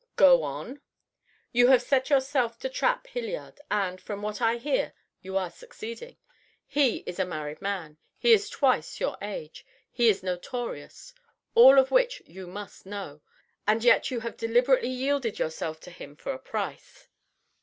"Go on!" "You have set yourself to trap Hilliard, and, from what I hear, you are succeeding. He is a married man. He is twice your age. He is notorious all of which you must know, and yet you have deliberately yielded yourself to him for a price."